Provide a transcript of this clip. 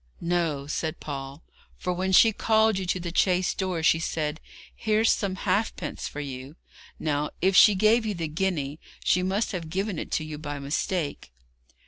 'No,' said Paul, 'for when she called you to the chaise door she said, "Here's some halfpence for you." Now, if she gave you the guinea, she must have given it to you by mistake.'